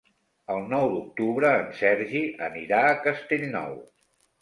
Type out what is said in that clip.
El nou d'octubre en Sergi anirà a Castellnou.